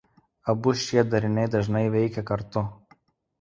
Abu šie dariniai dažnai veikia kartu.